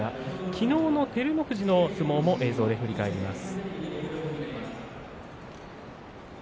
きのうの照ノ富士の相撲を映像で振り返ります。